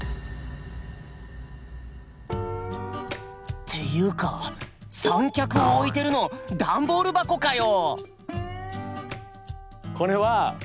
っていうか三脚置いてるの段ボール箱かよ！